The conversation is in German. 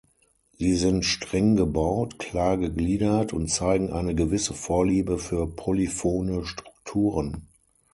Sie sind streng gebaut, klar gegliedert und zeigen eine gewisse Vorliebe für polyphone Strukturen.